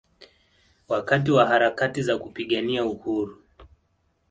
Wakati wa harakati za kupigania Uhuru